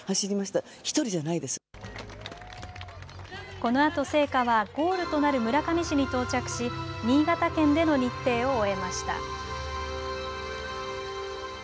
このあと聖火は、ゴールとなる村上市に到着し、新潟県での日程を終えました。